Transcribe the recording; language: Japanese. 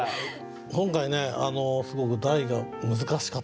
今回ねすごく題が難しかったですね。